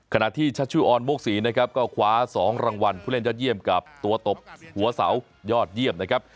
ขณะที่ชัชชุออนโมกศรีนะครับก็คว้า๒รางวัลผู้เล่นยอดเยี่ยมกับตัวตบหัวเสายอดเยี่ยมนะครับ